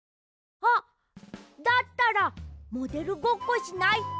あっだったらモデルごっこしない？